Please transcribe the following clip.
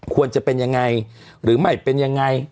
ควรจะเป็นยังไงหรือไม่เป็นยังไง